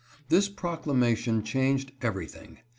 This proc« lamation changed everything.